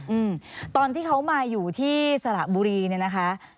อืมตอนที่เขามาอยู่ที่สระบุรีเนี่ยนะคะ